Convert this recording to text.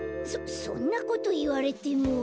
そそんなこといわれても。